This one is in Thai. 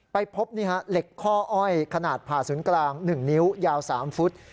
ไปพบเหล็กข้ออ้อยขนาดผ่าศูนย์กลาง๑นิ้วยาว๓ฟุต